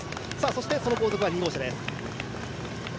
その後続は２号車です。